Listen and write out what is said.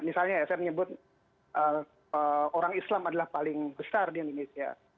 misalnya ya saya menyebut orang islam adalah paling besar di indonesia